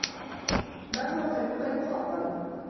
ما هو فنك المفضل؟